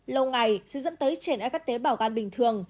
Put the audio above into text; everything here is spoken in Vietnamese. lâu ngày sẽ dẫn tới trẻ nãy các tế bảo gan bình thường